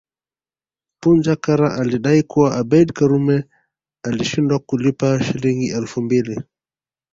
Punja Kara alidai kuwa Abeid Karume alishindwa kulipa Shilingi elfu mbili